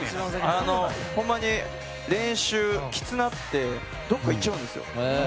ほんまに練習きつなってどこか行っちゃうんですよ。